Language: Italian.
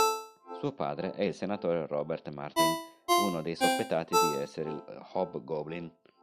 Suo padre è il senatore Robert Martin, uno dei sospettati di essere il Hobgoblin.